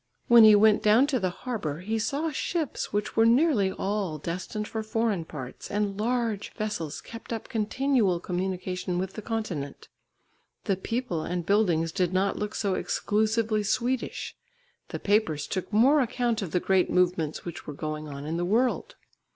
When he went down to the harbour he saw ships which were nearly all destined for foreign parts, and large vessels kept up continual communication with the continent. The people and buildings did not look so exclusively Swedish, the papers took more account of the great movements which were going on in the world.